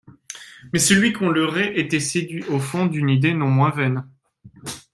Mais celui qu'on leurrait, était séduit au fond d'une idée non moins vaine.